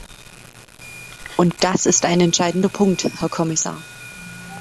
Und das ist ein entscheidender Punkt, Herr Kommissar.